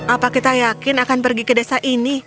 apa kita yakin akan pergi ke desa ini